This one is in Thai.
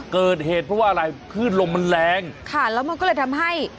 เกิดเหตุเพราะว่าอะไรขึ้นลมมันแรงค่ะแล้วมันก็เลยทำให้